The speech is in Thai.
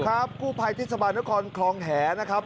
ครับคู่ภัยทศาบาลนกรคลองแหงนะครับ